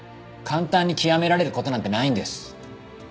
簡単に極められる事なんてないんです。